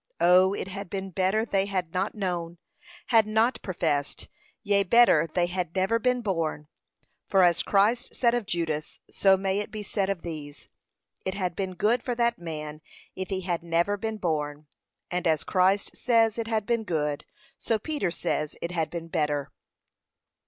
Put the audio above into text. Oh! it had been better they had not known, had not professed; yea, better they had never been born; for as Christ said of Judas, so may it be said of these, it had been good for that man if he had never been born; and as Christ says it had been good, so Peter says it had been better.